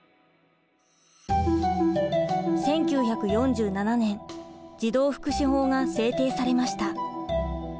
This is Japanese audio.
１９４７年児童福祉法が制定されました。